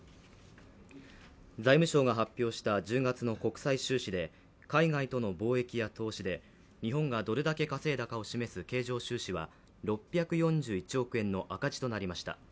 財務省が発表した１０月の国際収支で海外との貿易や投資で日本がどれだけ稼いだことを示す経常収支で６４１億円の赤字となりました。